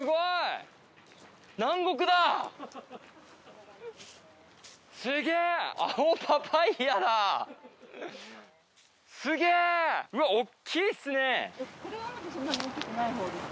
これはまだそんなに大っきくないほうですね。